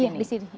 iya di sini